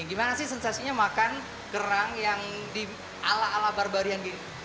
gimana sih sensasinya makan kerang yang di ala ala barbarian gini